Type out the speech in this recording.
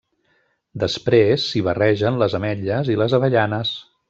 Després, s'hi barregen les ametlles i les avellanes.